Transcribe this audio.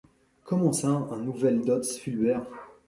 Comment ça une nouveldots Fulbert.